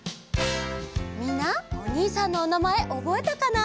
みんなおにいさんのおなまえおぼえたかな？